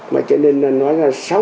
mà cho nên là nói ra